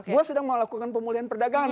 gue sedang melakukan pemulihan perdagangan